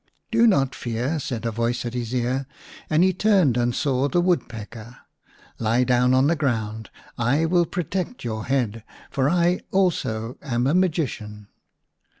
" Do not fear," said a voice at his ear, and he turned and saw the Woodpecker. " Lie down on the ground. I will protect your head, for I also am a magician."